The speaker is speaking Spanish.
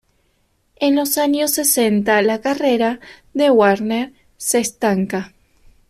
En los años sesenta la carrera de Wagner se estanca.